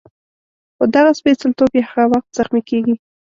خو دغه سپېڅلتوب یې هغه وخت زخمي کېږي.